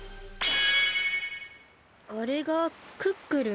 あれがクックルン？